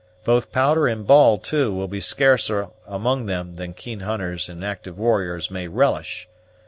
Both powder and ball, too, will be scarcer among them than keen hunters and active warriors may relish.